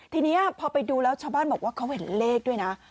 ทีนี้พอไปดูแล้วชาวบ้านบอกว่าเขาเห็นเลขด้วยนะ